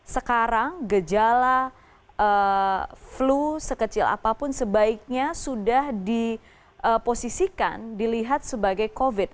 sekarang gejala flu sekecil apapun sebaiknya sudah diposisikan dilihat sebagai covid